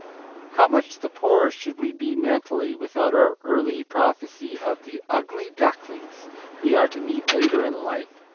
How much the poorer should we be, mentally, without our early prophecy of the "ugly ducklings" we are to meet later in life!